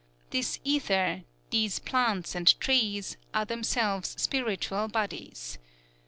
This ether, these plants and trees, are themselves spiritual bodies.